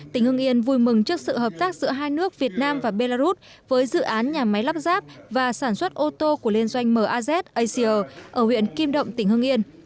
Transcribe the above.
tỉnh hưng yên vui mừng trước sự hợp tác giữa hai nước việt nam và belarus với dự án nhà máy lắp ráp và sản xuất ô tô của liên doanh maz asia ở huyện kim động tỉnh hưng yên